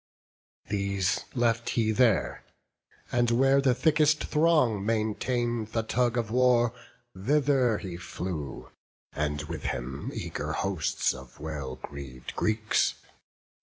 These left he there; and where the thickest throng Maintain'd the tug of war, thither he flew, And with him eager hosts of well greav'd Greeks.